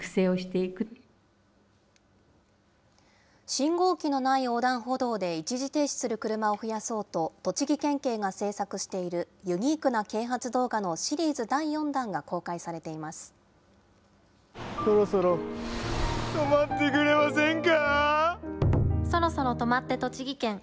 信号機のない横断歩道で一時停止する車を増やそうと、栃木県警が制作しているユニークな啓発動画のシリーズ第４弾が公そろそろ止まってくれません